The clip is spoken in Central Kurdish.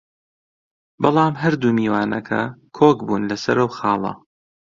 بەڵام هەردوو میوانەکە کۆک بوون لەسەر ئەو خاڵە